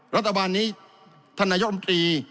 รัฐบาลนี้ธนโยมตรี